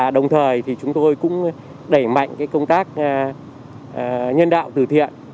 đồng thời chúng tôi cũng đẩy mạnh công tác nhân đạo từ thiện